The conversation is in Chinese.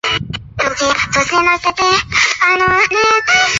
津保高速公路是连接天津市和河北省保定市的一条高速公路。